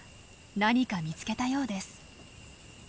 何か見つけたようです。